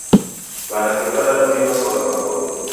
W'anake w'adadu w'inoswagha magome.